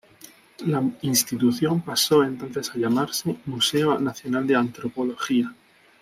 La institución pasó entonces a llamarse Museo Nacional de Antropología.